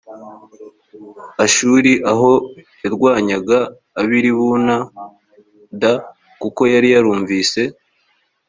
ashuri aho yarwanyaga ab i libuna d kuko yari yarumvise